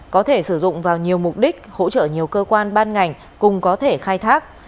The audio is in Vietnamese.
có thể sử dụng vào nhiều mục đích hỗ trợ nhiều cơ quan ban ngành cùng có thể khai thác